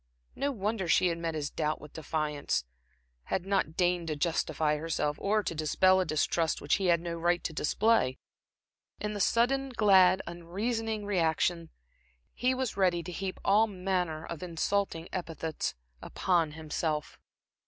No wonder she had met his doubt with defiance, had not deigned to justify herself, or to dispel a distrust which he had no right to display. In the sudden, glad, unreasoning reaction, he was ready to heap all manner of insulting epithets upon himself.